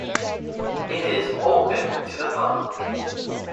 It is open to the public.